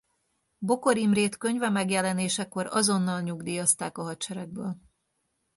Bokor Imrét könyve megjelenésekor azonnal nyugdíjazták a hadseregből.